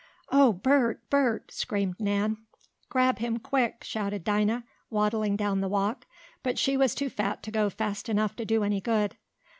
"Oh, Bert! Bert!" screamed Nan. "Grab him quick!" shouted Dinah, waddling down the walk. But she was too fat to go fast enough to do any good.